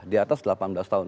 di atas delapan belas tahun